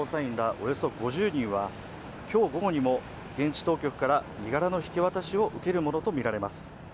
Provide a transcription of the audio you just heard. およそ５０人は今日午後にも現地当局から身柄の引き渡しを受けるものとみられます。